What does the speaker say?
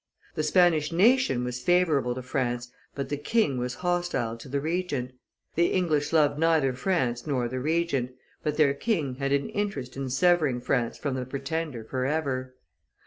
The Spanish nation was favorable to France, but the king was hostile to the Regent; the English loved neither France nor the Regent, but their king had an interest in severing France from the Pretender forever.